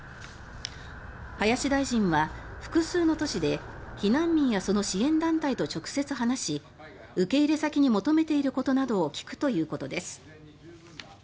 林大臣は複数の都市で避難民やその支援団体と直接話し受け入れ先に求めていることなどを聞くということです。